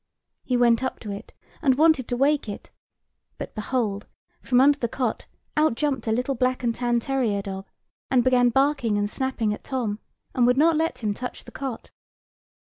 He went up to it, and wanted to wake it; but behold, from under the cot out jumped a little black and tan terrier dog, and began barking and snapping at Tom, and would not let him touch the cot.